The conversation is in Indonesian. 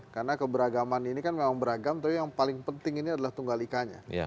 karena keberagaman ini kan memang beragam tapi yang paling penting ini adalah tunggal ikanya